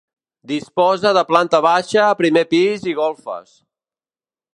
Disposa de planta baixa, primer pis i golfes.